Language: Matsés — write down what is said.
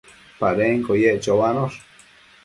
Padenquio yec choanosh